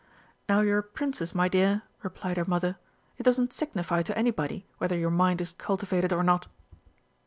"Now you're a Princess, my dear," replied her mother, "it doesn't signify to anybody whether your mind is cultivated or not."